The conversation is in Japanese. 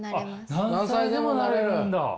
何歳でもなれるんだ！